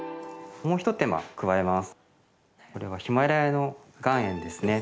もう一手間加えます。